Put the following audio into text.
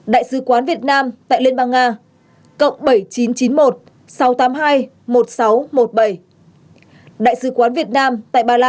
đại sứ quán việt nam tại slovakia